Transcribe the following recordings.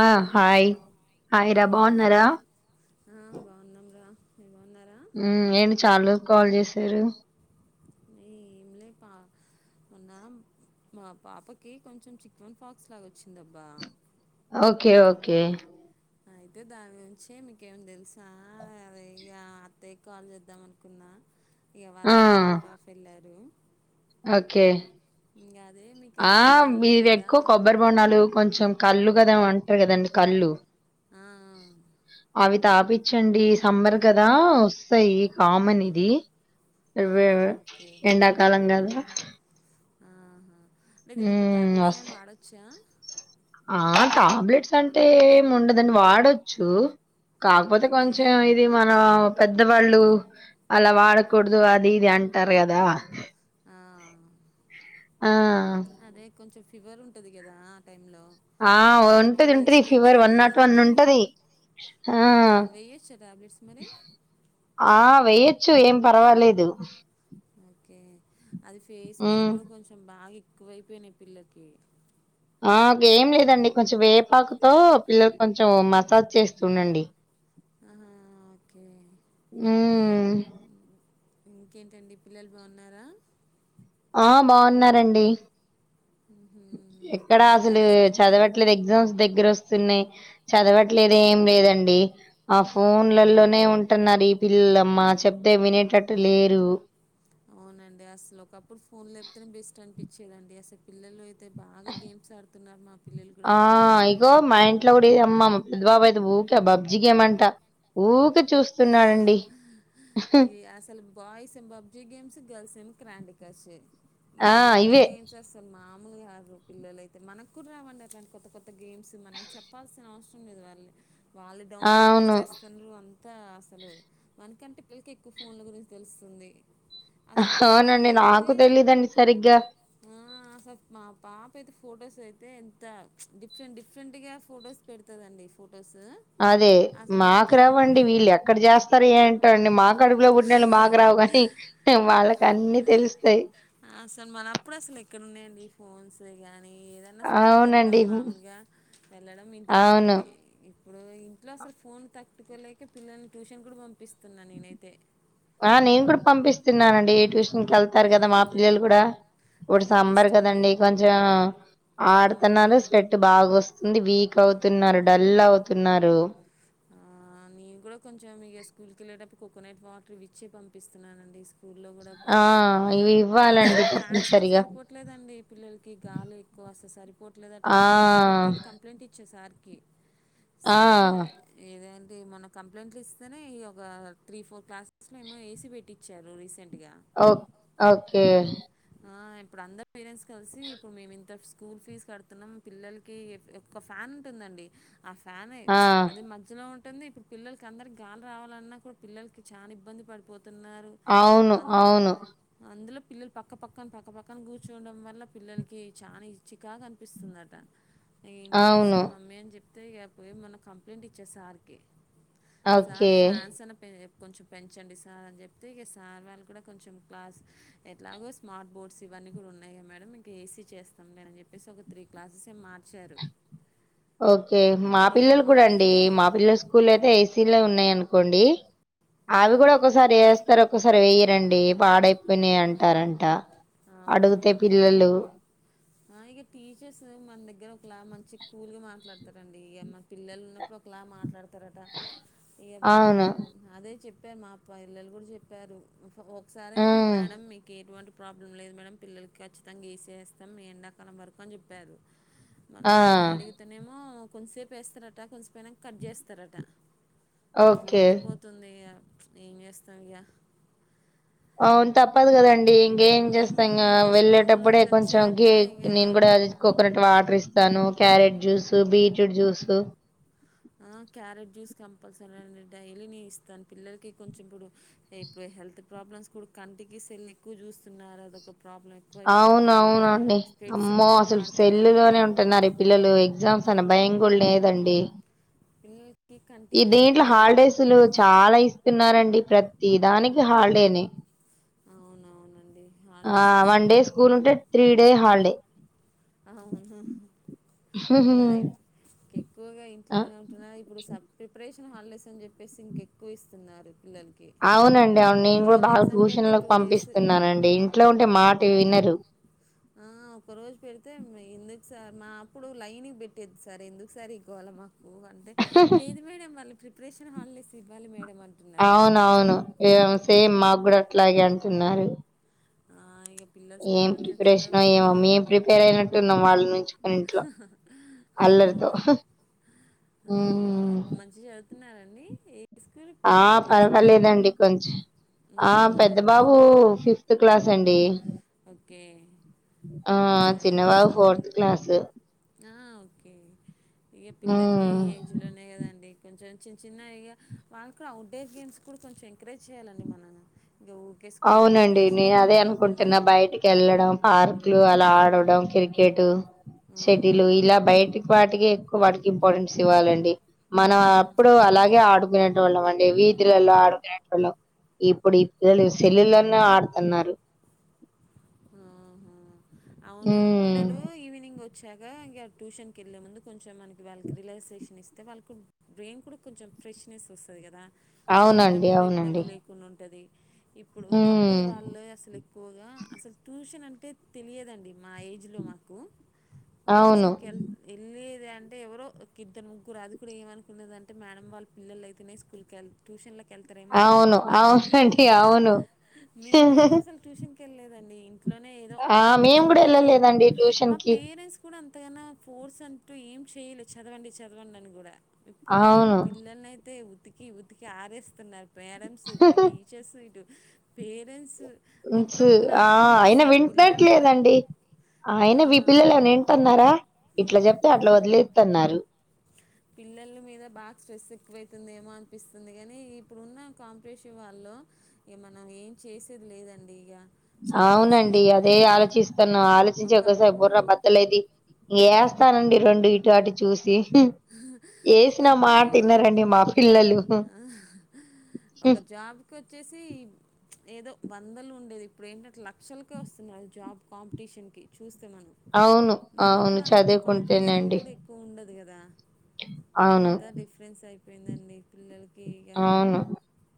ఆ hi hi బాగున్నారా ఆ బాగున్నాం రా బాగున్నారా ఉమ్ నేను చాలా రోజులకి కాల్ చేసారు ఏంలే పా మోన్న మా పాపకి కొంచెం చికెన్ ఫాక్స్ లాగా వచ్చిందబ్బా ఓకే ఓకే అయితే దాని గురించి మీకేమి తెలుసా ఆ అత్తయ్య కాల్ చేద్దాం అనుకున్నా ఇగా ఆ! వాళ్ళు ఔట్ ఆఫ్ ఎళ్ళారు ఓకే అదే మీకు ఆ ఏమైనా ఐడియా ఇవి ఉంటుంది కదా ఎక్కువ కొబ్బరి బొండాలు కొంచెం కళ్ళు కదా అంటారు కదండి కళ్ళు ఆ, అవి తాపించండి సమ్మర్ కదా వస్తాయి కామన్ ఇది వే ఆహా ఓకే ఎండాకాలం కదా ఆహా అంటే దీనికి టాబ్లెట్స్ ఏమైనా వాడొచ్చా ఆ! టాబ్లెట్స్ అంటే ఏం ఉండదండి వాడొచ్చు కాకపోతే ఓకే కొంచెం ఇది మన పెద్దవాళ్ళు అలా వాడకూడదు అది ఇది అంటారు కదా ఆ. అదే కొంచెం ఫీవర్ ఉం ద ఉంటది కదా టైంలో ఆ అందుకే ఉంటది ఉంటది ఫీవర్ వేసుకోవచ్చా వన్ లేదా నాట్ వన్ అని ఉంటది ఆ ఆహా వేయొచ్చా టాబ్లెట్స్ మరి ఆ వేయొచ్చు ఏం పర్వాలేదు ఓకే అది ఫేస్ మీద ఉమ్ కూడా కొంచెం బాగా ఎక్కువయిపోయినాయి పిల్లకి ఆ ఏం లేదండి కొంచెం వేపాకుతో పిల్లలు కొంచెం మసాజ్ చేస్తుండండి ఆహా ఓకే ఉమ్ ఇంకేంటండి పిల్లలు బాగున్నారా ఆ బాగున్నారండి మ్హూ. ఎక్కడ ఓకే అసలు వెళ్ళారా స్కూల్కి చదవట్లేదు ఎగ్జామ్స్ దగ్గర వస్తున్నాయి చదవట్లేదు ఏం లేదండి ఆ ఫోన్లలోనే ఉంటున్నారు ఈ పిల్లలమ్మా అవునండి అసలు ఒకప్పుడు ఫోన్లు లేప్తేనే బెస్ట్ అనిపించ చదండి అస పిల్లలు అయితే అయితే బాగా గేమ్స్ ఆడుతున్నారు మా పిల్లలు కూడా ఆ ఫోన్లలో ఇగో మా ఇంట్లో కూడా ఇది అమ్మ మా పెద్ద బాబు అయితే ఊకే పబ్జీ గేమ్ అంటా ఊక ఈ అసలు బాయ్స్ ఏ పబ్జీ గేమ్స్ గర్ల్స్ ఏం క్రాం గాసే ఈ ఆ రెండు ఇవే గేమ్స్ అసలు మా [unintelligible] పిల్లల అయితే మనకు కూడా రావండి అలాంటి కొత్త కొత్త గేమ్స్ మనం చెప్పాల్సిన అవసరం లేదు వాళ్ళ వాళ్ళు డౌన్లోడ్ అవును చేసేస్తన్నారు త అసలు మనకంటే పిల్లకి ఎక్కువ ఫోన్ల గురించి తెలుస్తుంది అసలు కొన్ని కొన్ని అవునండి అయితే నాకు తెలీదండి సరిగ్గా ఆ అసలు మా పాప అయితే ఫొటోస్ అయితే ఎంత డిఫరెంట్ డిఫరెంట్ గా ఫొటోస్ పెడతదండి ఫో అదే మాకు రావండి మన వీళ్ళు ఎక్క ఇక్కడ చేస్తారు ఏంటో అండి మాకు కడుపులో పుట్టినలు మాకు రావు కాని వాళ్ళకి అన్ని తెలుస్తాయి అసలు మనప్పుడు అసలు ఎక్కడ ఉన్నాయండి ఫోన్స్ నీ కానీ ఏదన్నా స్కూల్కి వెళ్ళడం అవునండి మామూలుగా వెళ్ళడం ఇంటికి అవును రావడమే ఇప్పుడు ఇంట్లో అసలు ఫోన్ తక్ [unintelligible] లేక పిల్లల్ని ట్యూషన్ కూడా పం ఆ నేను కూడా పంపిస్తున్నానండి ఏ టు ఇంకా ఏళ్తారు కదా మా ఉమ్, పిల్లలు కూడా ఇప్పుడు అదే సమ్మర్ బెస్ట్ అండి కదండి కొంచెం ఆడుతున్నారు ఉమ్, స్వెట్ బాగా వస్త ఉంది వీక్ అవుతున్నారు డల్ అవుతున్నారు ఆ, నేను కూడా కొంచెం ఇక స్కూల్ కి వెళ్ళేటప్పు కోకోనట్ వాటర్ ఇవి ఇచి పంపిస్తున్నానండి స్కూల్ స్కూల్లో కూడా ఆ పాపం ఇవి బా ఇవ్వాలండి అస్సలు ఫ్యాన్స్ కూడా తప్పనిసరిగా సరిపోవట్లేదండి పిల్లలకి గాలి ఎక్కువ అసలు సరిపోవట్లేదుంటే ఆ నేను మొన్న స్కూల్కి వెళ్ళి కంప్లైంట్ ఇచ్చా సార్ కి ఆ సార్ ఏద ది మనక్ కంప్లట్లు ఇస్తేనే ఒక త్రీ ఫోర్ క్లాస్ లైమ్ ఏసీ పెట్టి చ రీసెట్గా ఓ ఓకే ఆ ఇప్పుడు అందరు పేరెంట్స్ కలిసి ఇప్పుడు మే ఇంత స్కూల్ ఫీజ్ కడుతున్నాం పిల్లలకి ఒక ఫ్యాన్ ఉంటుందండి ఆ ఫ్యానే ఆ అది మధ్యలో ఇప్పుడు పిల్లలకి అందరి గాలి రావాలన్నా కూడా పిల్లలకి చాలా ఇబ్బంది పడిపోత. ఉన్నారు అవును అంద్ అవును అందులో పిల్లలు [inaudible] పక్కపక్కన, పక్కపక్కన కూర్చుండడం వల్ల పిల్లలకి చాలా ఇచ్చికగా కనిపిస్తుందట. ఇంటికి వచ్చి అవును మమ్మీ అని చెప్ప అత్త కాకపోయి మొకు కంప్లైంట్ ఇచ్చే సార్కి సార్ ఓకే ఫ్యాన్స్ అనే పె కొంచెం పెంచండి సార్ అని చెప్తే, ఇక సార్ వాళ్ళు కూడా కొంచెం క్లాస్ ఇలాగా స్మార్ట్ బోర్డ్స్ ఇవన్నీ కూడా ఉన్నాయియా మేడమ్. ఇంక ఏసీ చేస్తాం లే అని చెప్పేసి ఒక త్రీ క్లాసెస్ ఏ వచ్చారు ఓకే మా పిల్లలు కూడా అండి మా పిల్లల స్కూల్ అయితే ఏసీలో ఉన్నాయ. కోండి అవి కూడా ఒక్కసారి వేస్తారు ఒక్కసారి వేయరండి. పాడైపోయినాయి అంటారంట. అ అడిగితే అవునం పిల్లలు ఆ ఇక టీచర్స్ మన దగ్గర ఒకలా, మంచి కూలగా మాట్లాడుత. అవును రండి పిల్లలు ఉన్నప్పుడు ఒకలా మాట్లాడుకు. చెతారట ఇక మేడం అవును అదే చెప్పి చెప్పారు మా అప్ప ఇల్లలు కూడా చెప్పారు. ఒకసారేమో ఉమ్, మేడం మీకు ఎటువంటి ప్రాబ్లం లేదు మేడం పిల్లలకి ఖచ్చితంగా ఏసి వేస్తాం. ఎండాకాలం వరకు అని చెప్పారు. ఆ మన్నా నేను అడిగుతున్నేమో. కొద్దిసేపు వేస్తారట, కొనిసపోయినా కట్ చేస్తారట. అట్లా ఓకే ఉండిపోతుంది ఇగ ఏం చేస్తాం ఇగా అవును తప్పదు కదండి. ఎం చేస్తా ఉమ్, ఇంకా ఇక స్కూల్ వెళ్ళేటప్పుడే నుంచి కొంచెం వచ్చాక గక్ ఇక నేను కూడా కోకోనట్ వాటర్ ఇస్తాను. Carrot juice, beetroot juice carrot juice compulsory అండి డైలీ నేను ఇస్తాను. పిల్లలకి కొంచెం ఇప్పుడు ఇప్పుడు హెల్త్ ప్రాబ్లమ్స్ కూడా కంటికి సెల్ ఎక్కువ చూస్తున్నారు. అదొక ప్రాబ్లం అవున ఎక్కువైపోయింది. అవునండి స్పెడ్స్ అమ్మో పిల్లలు అసలు వాడుతున్నారు కదా! సెల్లులోనే ఉంటున్నారు. ఈ పిల్లలు ఎగ్జామ్స్ అన్న భయ కూడా లే దండి ఈ ఈ దీంట్లో హాలిడేస్లు చాలా ఇస్తున్నారండి. ప్రతి దానికి హాలీడేనే అవునవునండి. ఆ హాలిడేసెస్ వన్ డే స్కూల్ ఉంటే త్రీ డే హాల్డే అవును ఇప్పుడుయి ఎక్కువగా ఆ ఇంట్లోనే ఉంటున్నారు ఇప్పుడు సబ్ ప్రిపరేషన్ హాలిడేస్ అని చెప్పేసి ఇంక ఎక్కువ ఇస్తున్నారు పిల్లలకి. అవునండి అవును నేను కూడా ఒకరోజు ఎగ్జామ్ పెడితే బాలభూషణ్లకు డేస్ పంపిస్తున్నానండి ఇంట్లో ఉంటే మాట వినరు ఆ! ఒకరోజు పెడితే మ- ఎందుకు సార్ మా అప్పుడు లైన్కి పెట్టేది సార్ ఎందుకు సార ఇ గూల మాకు కు అంటే లేదు మేడే మళ్ళీ ప్రిపరేషన్ హాలిడేస్ ఇవ్వాలి మేడం అంటున్నారు. అవున అవును ఏ సేమ్ మాకు కూడా అట్లాగే అంటున్నారు ఆ! ఇక పిల్లలు ఏం స్కూల్ నుంచి ప్రిపరేషన్ వచ్చేలోకే ఇక ఏమో మేం ప్రిపేర్ అయినట్టున్నాం వాళ్ళ నుంచి మన ఇంట్లో అల్లరితో అవునా ఉమ్ మంచి [unintelligible] ఏ స్కూల్ ఇప్పుడు ఆ ఏ క్లాస్ వాళ్ళు? పర్వాలేదండి కొంచెం ఆ హుహు. పెద్ద ఓకే. బాబు ఫిఫ్త్ క్లాస్ [unintelligible] ఓకే ఆ సరే చిన్నబాబు సరే ఫోర్త్ క్లాస్ ఓకే ఇక పిల్లలకి ఉమ్ ఈ ఏజ్ లోనే కదండి కొంచెం చిన్న చిన్న ఇగ వాళ్ళు కూడా అవుట్డోర్ గేమ్స్ కూడా కొంచెం ఎంకరేజ్ చేయాలండి మనన ఇంకా ఊరికే స్కూల్ ట్యూషన్ ఇవే కాకుండా వెళ్లడం పార్క్లు అలా ఆడడం క్రికెట్ సెటిల్ హ్మ్. ఇలా బయటికి వాటికి ఎక్కువ ఇంపార్టెన్స్ ఇవ్వాలండి మనం హ్మ్. అప్పుడు అలాగే ఇగ ఆడుకునేటోళ్ళం అండి [unintelligible] లో ఇప్పుడు ఈ పిల్లలు [unintelligible] ఆడుతున్నారు ఆహా! అవునండి ఉమ్ పిల్లలు ఈవినింగ్ చాగా ఇంగా ట్యూషనకెళ్ళ ముందు కొంచెం మకి వాళ్ళకి రిలాక్సేషన్ ఇస్త అయితే వాళ్ళకు బ్రెయిన్ కూడా కొంచెం ఫ్రెష్నెస్ వస్తుంది కదా అవునండి చదివేటప్పుడు కూడా ఇబ్బంది అవునండి లేకుండా ఉంటది ఇప్పుడు ఒకప్పుడు ఉమ్ వాళ్ళు అసలు ఎక్కువగా అసలు ట్యూషన్ అని తె తెలియదండి మా ఏజ్ లో మాకు అవును ట్యూషన్ కల్ ఇల్ అంటే ఎవరో ఇద్ద ముగ్గురుది కూడా ఏమ అనుకున్నదంటే మేడమ్ వాళ్ళ పిల్లల అయితేనే స్కూల్ క వెళ్ ట్యూషన్ల కెల్టారెమో అవును అంకునే నేను అవునండి అవును మెమైట్ అసలు ట్యూషన్ ెళ్ళలేదండి ఇంట్లోనే ఏదో ఆ మాకు మేము కూడా వెళ్ళలేదండి ట్యూషన్ కి అంతగానా ఫోర్స్ అంటూ ఏం చేయలే చదవండి చదవండి అని కూడా ఇప్పుడు మేం అవును పిల్లల్ని అయితే ఉతికి ఉతికి ఆరేస్తున్నారు పేరంట్స్ టీచేర్స్ పేరెంట్స్ ంచి అప్పుడప్పుడు ఆ నాకు అయినా అనిపిస్తుంది వి పిల్లలు కూడా ట్లేదండి అయినా మీ ఆ, పిల్లలు ఏమన్నా వింటున్నారా ఇట్లా చెప్తే అట్లా వదిలేస్తున్నారు పిల్లల మీద బాగా స్ట్రెస్ ఎక్కువైతుందేమో అనిపిస్తుంది కానీ ఇప్పుడున్న కాంపిటీషన్ వాళ్ళ మనం ఏం చేసేది లేదండి ఇక చదవాల్సిందే అవునండి అదే పిల్లలు ఇక ఆలోచిస్తున్న ఆలోచించి ఒకసారి ఒకప్పుడు బుర్రా బద్దలైద్ది ఏ ఇస్తానండి రెండు ఇటు అటు చూసి ఆహ్ ఏసిన ఒకప్పుడు మాట ఇన్నరండి మా పిల్లలు ఆహ్ ఒక జాబ్కి వచ్చేసి ఏదో వందలు ఉండేది ఇప్పుడు ఏంటంటే లక్షలకే వస్తున్నారు జాబ్ కాంపిటీషన్ కి చూస్తే మనం అవును అవును మనప్పుడు అంత కాంపిటీషన్ చదువుకుంటేనండి కూడా ఎక్కువ ఉండదు కదా దా అవును అంతా డిఫరెన్స్ అయిపోయిందండి పిల్లలకి ఇక అవును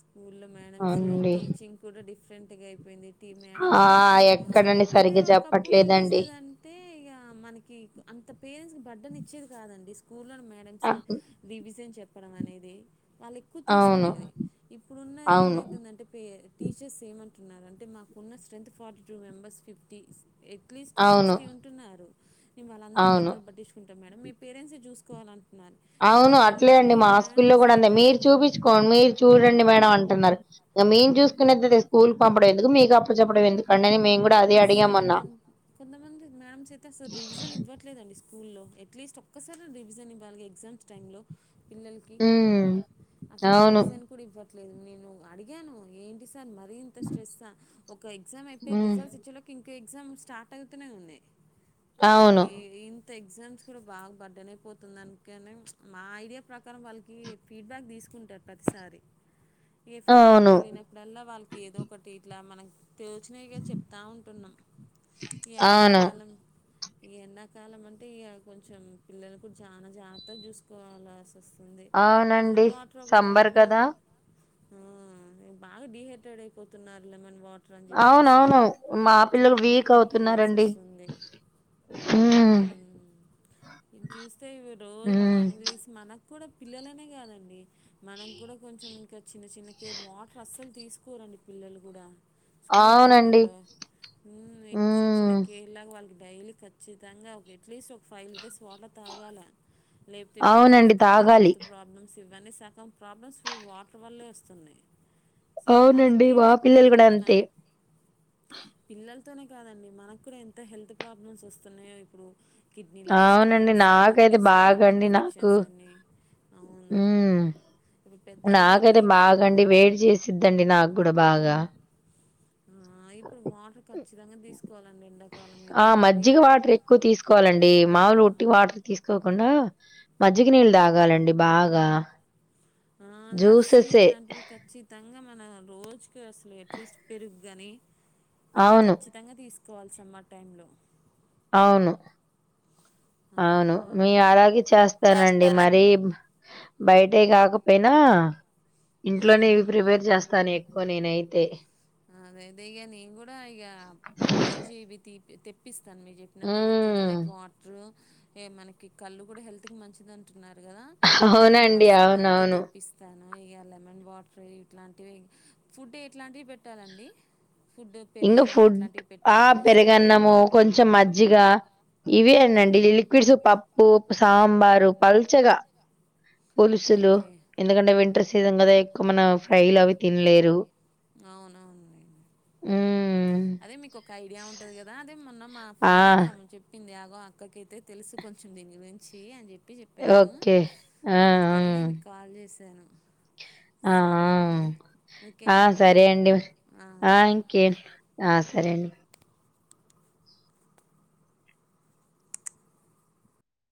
స్కూల్లో మేడమ్స్ అవునండి టీచింగ్ కూడా డిఫ డిఫరెంట్ గా అయిపోయింది టీ మేడమ్స్ ఆ కూడా టీ ఎక్కడండి అంటే సరిగ్గా ఒకప్పుడు ఏం చెప్పట్లేదండి చేసేదింటే ఇక మనకి అంత పేరెంట్స్ పడ్డని ఇచ్చేది కాదండి స్కూల్లోని మేడమ్స్ అవును రివిజన్ చెప్ చెప్పడం అనేది వాళ్ళు ఎక్కువ అవును తీసుకునేది ఇప్పుడున్నది అవును ఏమైతుంది అంటే పే టీచర్స్ ఏమంట ు అంటే మాకున్న strength forty two members fifty at least అవును సిక్స్టీ ఉంటున్నారు వాళ్ళందరిని అవును. ఎక్కడ పట్టించుకు మేడం మీ పేరంట్స్ చూ కాలంట్ అవును అట్లేఅండి మా స్కూల్లో కూడా అంతే అయితే మీరు అసలు చూపించుకోండి మీరు చూడండి మేడం అంటున్నారు మ మేము చూసుకునేది అయితే స్కూల్కి పంపడం ఎందుకు మీకు అప్పచప్పడం ఎందుకు క అసలు కొ కొంతమంది మేమ్స్ అయితే అసలు రివిజన్ ఇవ్వట్లేదండి స్కూల్లో అట్లీస్ట్ ఒక్కసారి రివిజన్ ఇవ్వాలి ఎగ్జామ్స్ టైమ్ంలో పిల్లలకి ఉమ్, అసలు అవును రివిజన్ కూడా ఇవ్ ట్లేదు నేను అడిగాను ఏంటి స్ మరింత స్ట్రెస్ ఒక ఎగ్జామ్ అయిపోయి ఉమ్, రిజల్ట్స్ ఇంక ఎగ్జామ్ స్టార్ట్ అవుతూనే ఉన్నాయి అసలు అవును ఇం త ఎగ్జామ్స్ కూడా బాగా బడ్డెన్ అయిపోతుంది అందుకని మా ఐడియా ప్రకారం వాళ్ళకి ఫీడ్బ్యాక్ తీసుకుంటారు ప్రతిసారి ఇగ అవును ఫీడ్బ్యాక్కెలినప్పుడల్ల వాళ్ ఏదో ఒకటి ఇట్లా మనం తోచినయ్ గా చెప్ ఉంటున్నాం ఈ అవును ఎండాకాలం ఈ ఎండాకాలం అంటే ఇక కొంచెం పిల్లలు కూడా జాన జాగ్రత్త చూసుకోవాల అస వస్తుంది కూల్ అవునండి వాటర్ ఒక సంబర్ బాటిల్ కదా ఆ బాగా డి హైడ్రెడ్ అయిపోతున్నారు లేమన్ వా టర్ అని చెప్పేసి అవునవును మా పిల్లలు ఇట్లాంటి కూడా వీక్ పంపియాల్సి అవుతున్నారండి వస్తుంది ఉమ్, హ్మ్ ఇది చూస్తే రోజు ఉమ్, మార్నింగ్ లేసి మన నా క్కూడా పిల్లలనే కాదండి మనం కూడా కొంచెం ఇంక చిన్న చిన్నకే వాటర్ అస్సలు తీసుకోరండి పిల్లలు కూడా స్కూల్ టైమ్ అవునండి లల్లో హ్మ్ ఇప్పుడు చిన్న చిన్న ఉమ్, కే లాగా వాళ్ళకి డైలీ ఖచ్చితంగా ఎట్లీస్ట్ ఒక ఫైవ్ డేస్ వాటర్ తాగాల లేకపోతే ఇప్పుడు అవునండి చూస్తాం తాగాలి హెల్త్ ప్రాబ్లమ్స్ ఇవన్నీ సకం ప్రాబ్లమ్స్ వాటర్ వల్లే వస్తున్నయి. అవునండి మా పిల్లలు కూడా అంతే పిల్ల ల్లల్ తోనే కాదండి మనకు కూడా ఎంత హెల్త్ ప్రాబ్లమ్స్ వస్తున్నాయో ఇప్పుడు కిడ్నీలలో అవునండి స్టోన్స్ అని నాకైతే చెప్పేసి బాగా బ్లడ్ అండి నాకు ఇన్ఫెక్షన్స్ అనీ అవును హ్మ్. ప్పుడు నాకైతే బాగండి వేడి చేసిద్దండి నాకు కూడా బాగా గా ఆ ఇప్పుడు వాటర్ ఖచ్చితంగా తీసుకోవాలండి. ఎండాకాలం ఆ! అయితే మరి. మజ్జిగ వట్టి వాటర్ తీసుకోకుండా మజ్జిగ నీళ్ళు తాగాలండి బాగా. ఆ లస్సి జ్యూసెసే. ఇట్లాంటివి ఖచ్చితంగా మన రోజుకి అసలు ఎ అట్లిస్ట్ పెరుగుగాని ఇది అవును. కఖచ్చితంగా తీసు కోవాల్సమ్మర్ టైంలో అవును, అవును మీ అవునండి అలాగే చేస్తానండి మరి బయటయి గాకపోయినా ఇంట్లోనే ఉమ్. ఇవి ప్రిపేర్ చేస్తాను. కు నేనైతే అదే అదే ఇగ నేను కూడా ఇగ రోజు ఇవి తీ తెప్పిస్ తాను మీకు జెప్పినట్టూ హ్మ్. కొకొనట్ వాట్రూ ఏ మనకి కల్లు కూడా హెల్త్ కి మంచిదం టున్నారు గదా అది కూడ మా అవునండి. సార్ తో అవునవును. తెప్పిస్తాను. ఇగ లెమన్ వాటర్ ఇట్లాంటివి, ఫుడ్ ఎట్లాంటి బెట్ టర్ అండీ ఇంకా ఫుడ్ ఆ బెస్ట్ అంటారా పెరుగన్నము, కొంచెం మజ్జిగ ఇవే ఓకే అండి. లిక్విడ్స్ పప్పు సాంబారు పల్చగా పులుసులు ఓకే ఎందుకంటే వింటర్ సీ ం కదా ఎక్కువ మన ఫ్రైలు అవి తినలేరు. అవునవునులేండి. హ్మ్. అదే మీకు ఒక ఐడియా ఉంటది కదా తెమ్మన్న. మా ఆ! ఫ్రెండ్ ఒక ఆమె చెప్పింది, మా అక్కకైతే తెలుసు కొంచెం దీని గురించి అని చెప్పి ప్పి చెప్పారు ఓకే. ఆ! అందుకనీ మీకు కాల్ చేసి తేను. ఆ ఓకే ఆ ఆ అండి మరి సరే అండి మరి ఆ ఓకే ఇంకేం ఆ సరే అండి.